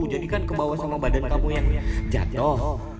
jadi kan ke bawah sama badan kamu yang jatoh